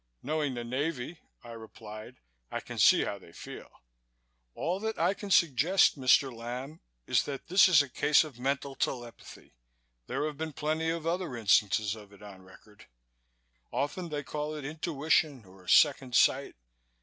"Knowing the Navy," I replied, "I can see how they feel. All that I can suggest, Mr. Lamb, is that this is a case of mental telepathy. There have been plenty of other instances of it on record. Often they call it intuition or second sight.